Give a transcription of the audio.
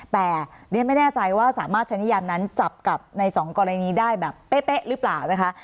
แต่เรียนไม่แน่ใจว่าสามารถใช้นิยามนั้นจับกับในสองกรณีได้แบบเป๊ะหรือเปล่านะคะ